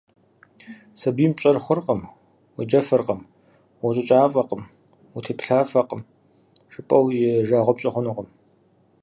Сабийм «пщӀэр хъуркъым, уеджэфыркъым, ущӀыкӀафӀэкъым, утеплъафӀэкъым», жыпӏэу и жагъуэ пщӏы хъунукъым.